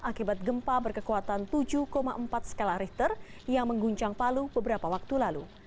akibat gempa berkekuatan tujuh empat skala richter yang mengguncang palu beberapa waktu lalu